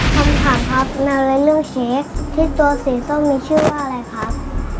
คำถามครับนาเลเรื่องชีสที่ตัวสีส้มมีชื่อว่าอะไรครับ